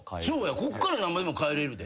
こっからなんぼでも変えれるで。